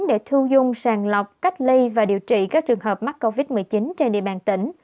để thu dung sàng lọc cách ly và điều trị các trường hợp mắc covid một mươi chín trên địa bàn tỉnh